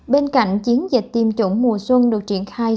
bên cạnh chiến dịch tiêm chủng mùa xuân được triển khai